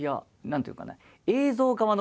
何ていうかね